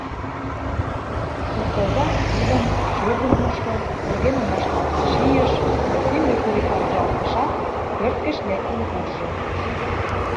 Суртоза кидым, шӱргым мушко, вургемым вашталтен чийыш, кинде курикам руалтышат, пӧрт гыч лектын куржо.